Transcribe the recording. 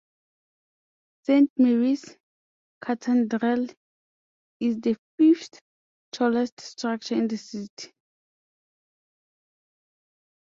Saint Mary's Cathedral is the fifth tallest structure in the city.